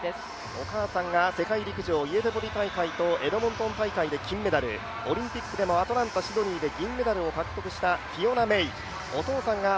お母さんが世界陸上イエテボリ大会とエドモントン大会で金メダル、オリンピックでもアトランタ、シドニーで銀メダルを獲得したフィオナ・メイ。